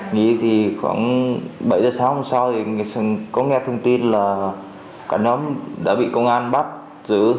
nghi thì khoảng bảy giờ sáng hôm sau thì có nghe thông tin là cả nhóm đã bị công an bắt giữ